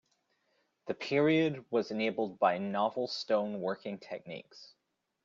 The period was enabled by novel stone working techniques.